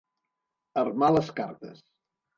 Armar les cartes.